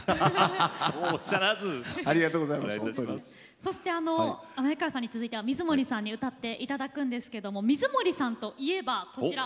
そして前川さんに続いては水森さんに歌っていただくんですけども水森さんといえばこちら。